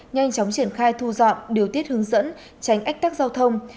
nhanh chóng triển khai thu dọn điều tiết hướng dẫn tránh ách tắc giao thông